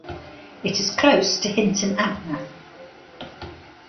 It is close to Hinton Ampner.